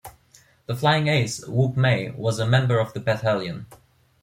The flying ace Wop May was a member of the battalion.